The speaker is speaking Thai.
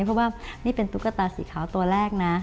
เพราะว่านี่เป็นตุ๊กตาสีขาวตัวแรกนะ